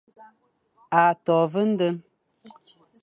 A nto ve den.